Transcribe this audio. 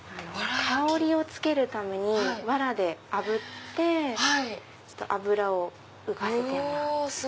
香りをつけるためにわらであぶって脂を浮かせてます。